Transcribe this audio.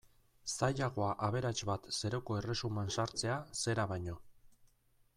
Zailagoa aberats bat zeruko erresuman sartzea zera baino.